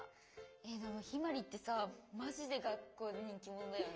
えでもひまりってさマジで学校の人気者だよね。